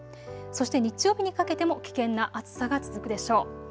そして日曜日にかけても危険な暑さが続くでしょう。